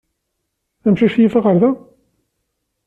Amcic yif aɣerda?